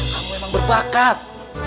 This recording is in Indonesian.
kamu emang berbakat